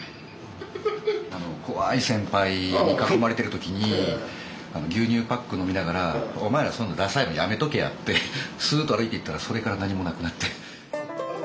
怖い先輩に囲まれてる時に牛乳パック飲みながら「お前らそんなダサいのやめとけや」ってスッと歩いていったらそれから何もなくなって。